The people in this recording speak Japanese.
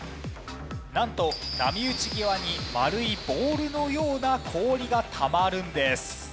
なんと波打ち際に丸いボールのような氷がたまるんです。